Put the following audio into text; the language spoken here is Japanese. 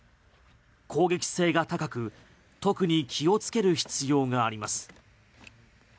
攻撃性が高く特に気をつける必要があります。